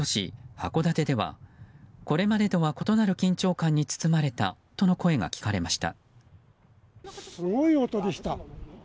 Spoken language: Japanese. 函館ではこれまでとは異なる緊張感に包まれたとの声が聞かれました。